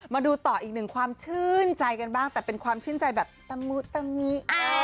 มาดูต่ออีกหนึ่งความชื่นใจกันบ้างแต่เป็นความชื่นใจแบบตะมุตะมิ